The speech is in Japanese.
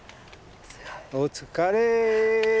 お疲れ！